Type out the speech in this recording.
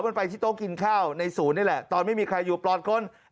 มันไปที่โต๊ะกินข้าวในศูนย์นี่แหละตอนไม่มีใครอยู่ปลอดคน